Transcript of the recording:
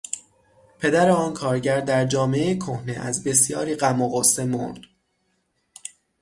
پدر آن کارگر در جامعهٔ کهنه از بسیاری غم و غصه مرد.